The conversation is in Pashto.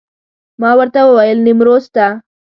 ما ورته وویل نیمروز ته.